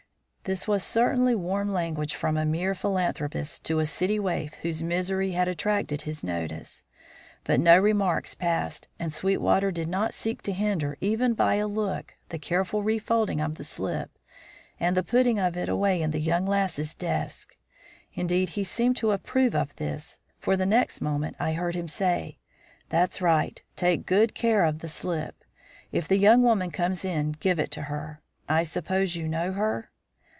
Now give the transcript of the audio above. This was certainly warm language from a mere philanthropist to a city waif whose misery had attracted his notice. But no remarks passed, and Sweetwater did not seek to hinder even by a look the careful refolding of the slip and the putting of it away in the young lass's desk. Indeed, he seemed to approve of this, for the next moment I heard him say: "That's right; take good care of the slip. If the young woman comes in, give it to her. I suppose you know her?"